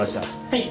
はい。